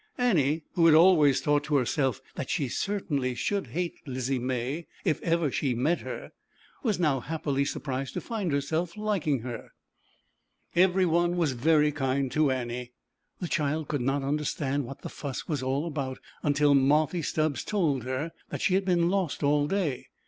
Annie, who had always thought to herself that she certainly should hate 248 ZAUBERLINDA, THE WISE WITCH. Lizzie May, if ever she met her, was now happily surprised to find herself liking her. Every one was very kind to Annie. The child could not understand what the fuss was all about, until Marthy Stubbs told her that she had been lost all day.